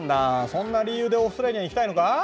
そんな理由でオーストラリアに行きたいのか？